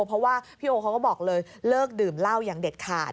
เพราะว่าพี่โอเขาก็บอกเลยเลิกดื่มเหล้าอย่างเด็ดขาด